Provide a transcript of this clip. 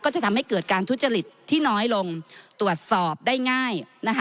จะทำให้เกิดการทุจริตที่น้อยลงตรวจสอบได้ง่ายนะคะ